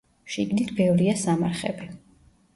შიგნით ბევრია სამარხები.